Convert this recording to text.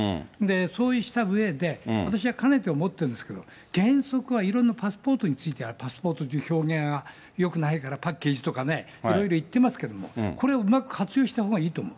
そうした上で、私はかねて思ってるんですけども、原則はいろいろパスポートについては、パスポートという表現はよくないから、パッケージとかね、いろいろ言ってますけども、これをうまく活用したほうがいいと思う。